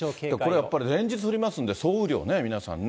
これやっぱり連日降りますんで、総雨量ね、皆さんね。